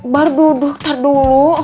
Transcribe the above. baru duduk tadulu